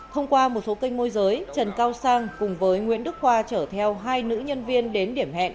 thông qua một số kênh môi giới trần cao sang cùng với nguyễn đức khoa chở theo hai nữ nhân viên đến điểm hẹn